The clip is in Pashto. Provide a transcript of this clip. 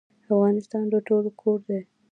افغانستان د ټولو کور دی